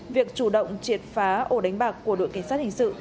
việc chủ động triệt phá ổ đánh bạc của đội cảnh sát hình sự